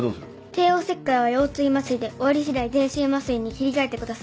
帝王切開は腰椎麻酔で終わり次第全身麻酔に切り替えてください。